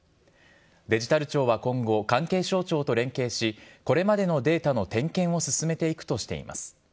デジタル庁は今後、関係省庁と連携し、これまでのデータの点検を進めていくとしています。